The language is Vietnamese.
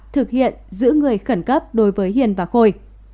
thực hiện giữ người khẩn cấp đối với hiền và khôi